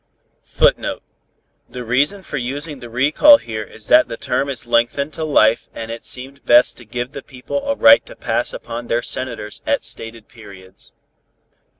[Footnote: The reason for using the recall here is that the term is lengthened to life and it seemed best to give the people a right to pass upon their Senators at stated periods.